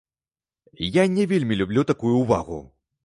Я не вельмі люблю такую ўвагу.